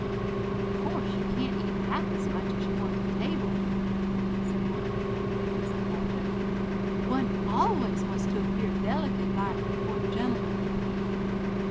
"Of course, you can't eat half as much as you want at table," said one of the young ladies, apologetically; "one always wants to appear delicate like before the gentlemen."